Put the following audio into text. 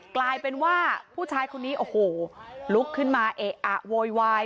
กลายเป็นว่าผู้ชายคนนี้โอ้โหลุกขึ้นมาเอะอะโวยวาย